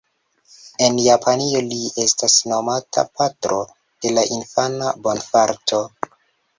En Japanio li estas nomata "Patro dela Infana Bonfarto".